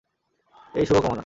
এই শুভ কামনা।